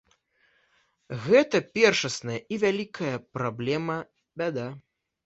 Гэта першасная і вялікая праблема, бяда.